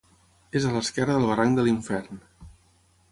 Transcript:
És a l'esquerra del barranc de l'Infern.